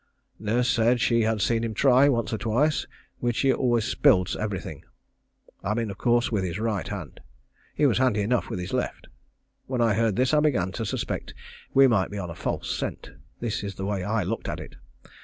Nurse said she had seen him try once or twice, which he always spilled everything. I mean of course with his right hand. He was handy enough with his left. When I heard this I began to suspect we might be on a false scent. This is the way I looked at it.